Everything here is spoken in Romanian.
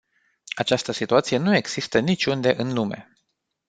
Această situație nu există niciunde în lume.